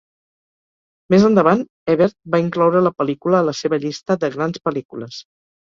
Més endavant, Ebert va incloure la pel·lícula a la seva llista de "Grans pel·lícules".